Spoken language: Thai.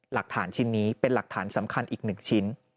หลักฐานชิ้นนี้เป็นหลักฐานสำคัญอีก๑ชิ้น